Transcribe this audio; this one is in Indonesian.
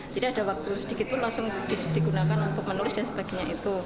ada waktu sedikit pun langsung digunakan untuk menulis dan sebagainya itu